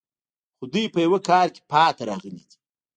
خو دوی په یوه کار کې پاتې راغلي دي